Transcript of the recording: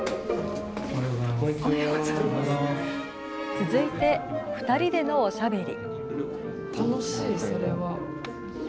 続いて２人でのおしゃべり。